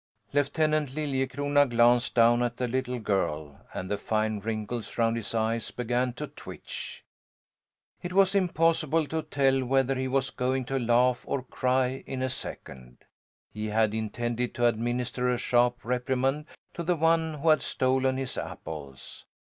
Lieutenant Liljecrona glanced down at the little girl, and the fine wrinkles round his eyes began to twitch. It was impossible to tell whether he was going to laugh or cry in a second. He had intended to administer a sharp reprimand to the one who had stolen his apples.